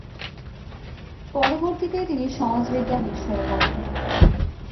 পরবর্তিতে তিনি সমাজবিজ্ঞান বিষয়ে পরেন।